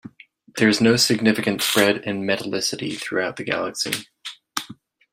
There is no significant spread in metallicity throughout the galaxy.